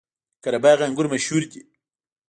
قره باغ انګور مشهور دي؟